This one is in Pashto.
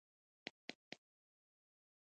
د ناسمې پرېکړې جزا مرګ و